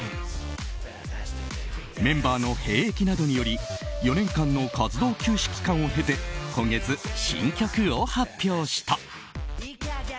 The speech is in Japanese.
メンバーの兵役などにより４年間の活動休止期間を経て今月、新曲を発表した。